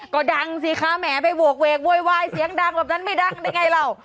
ก็ดังสิคะแหมไปโหกเวกโวยวายเสียงดังแบบนั้นไม่ดังได้ไงเรา